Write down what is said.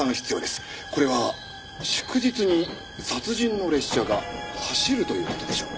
これは祝日に殺人の列車が走るという事でしょう。